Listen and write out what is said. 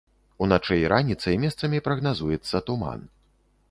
Уначы і раніцай месцамі прагназуецца туман.